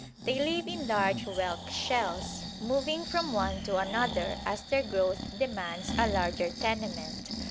They live in large whelk shells, moving from one to another as their growth demands a larger tenement.